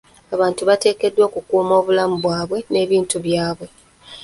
Abantu bateekeddwa okukuuma obulamu bwabwe n'ebintu byabwe.